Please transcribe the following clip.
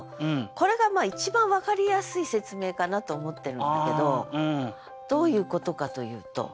これが一番分かりやすい説明かなと思ってるんだけどどういうことかというと。